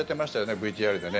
ＶＴＲでね。